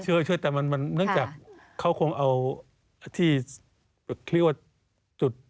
ก็ช่วยแต่มันเนื่องจากเขาคงเอาที่คิดว่า